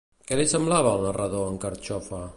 Què li semblava al narrador en Carxofa?